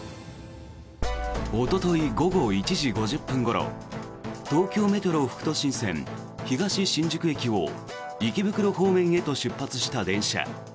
おととい午後１時５０分ごろ東京メトロ副都心線東新宿駅を池袋方面へと出発した電車。